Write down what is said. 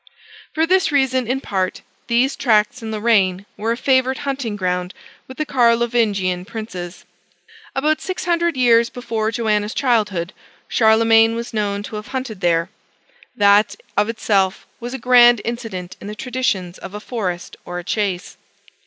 For this reason, in part, these tracts in Lorraine were a favorite hunting ground with the Carlovingian princes. About six hundred years before Joanna's childhood, Charlemagne was known to have hunted there. That, of itself, was a grand incident in the traditions of a forest or a chase.